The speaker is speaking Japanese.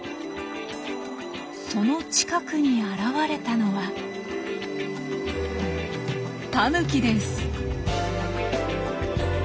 その近くに現れたのはタヌキです。